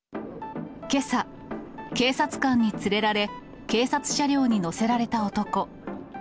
けさ、警察官に連れられ、警察車両に乗せられた男。